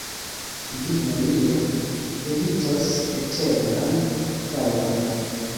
Vi neniel evitos eternan fajron!